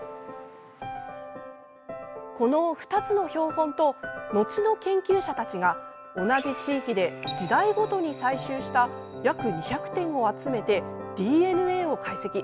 この２つの標本とのちの研究者たちが同じ地域で時代ごとに採集した約２００点を集めてＤＮＡを解析。